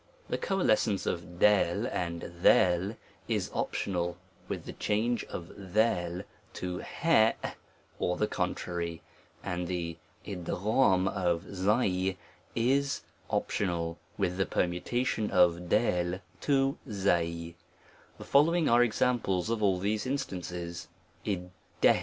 The coalescence of s, and 3>, is optional with, the change of i, to a or the contrary, and o the f tc*l of \ is also optional, with the permutation x ef ^ to 3 . THE following are examples af all these instances, , f w